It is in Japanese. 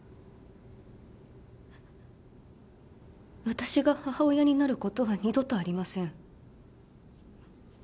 私が母親になることは二度とありません。